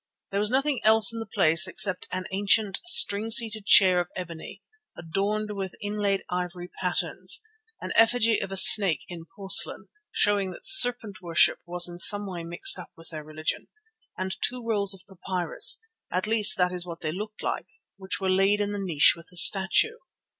There was nothing else in the place except an ancient, string seated chair of ebony, adorned with inlaid ivory patterns; an effigy of a snake in porcelain, showing that serpent worship was in some way mixed up with their religion; and two rolls of papyrus, at least that is what they looked like, which were laid in the niche with the statue.